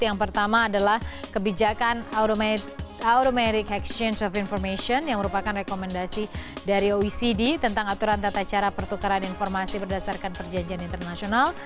yang pertama adalah kebijakan automatic exchange of information yang merupakan rekomendasi dari oecd tentang aturan tata cara pertukaran informasi berdasarkan perjanjian internasional